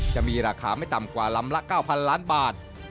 จะมีราคาไม่ต่ำกว่าลำละ๙๐๐ล้านบาท